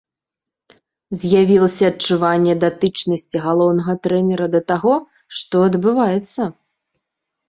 З'явілася адчуванне датычнасці галоўнага трэнера да таго, што адбываецца.